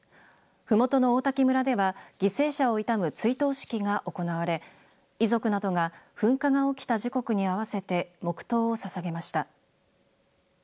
ふもとの王滝村では犠牲者を悼む追悼式が行われ遺族などが噴火が起きた時刻に合わせて黙とうをささげました。